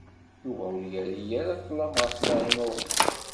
Yuba ur yerri ara ṭlem ɣef Naɛima u Ḥsen.